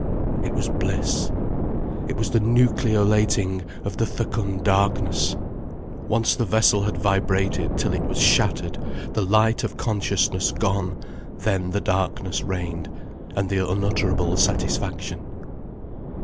It was bliss, it was the nucleolating of the fecund darkness. Once the vessel had vibrated till it was shattered, the light of consciousness gone, then the darkness reigned, and the unutterable satisfaction.